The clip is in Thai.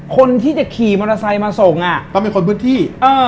คนที่จะขี่มอเตอร์ไซค์มาส่งอ่ะก็เป็นคนพื้นที่